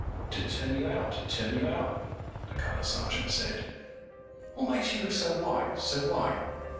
âTo turn you out, to turn you outâ, the Colour Sergeant said. âWhat makes you look so white, so white?